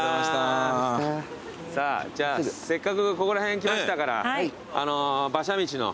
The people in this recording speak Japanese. さぁじゃあせっかくここら辺来ましたから。